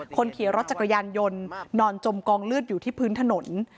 คนขี่รถจักรยานยนต์นอนจมกองเลือดอยู่ที่พื้นถนน